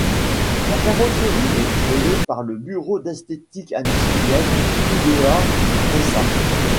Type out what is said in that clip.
La carrosserie est créée par le bureau d’esthétique industrielle idea s.a.